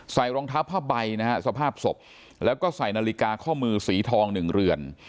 รองเท้าผ้าใบนะฮะสภาพศพแล้วก็ใส่นาฬิกาข้อมือสีทองหนึ่งเรือน